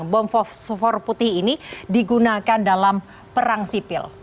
bom fosfor putih ini digunakan dalam perang sipil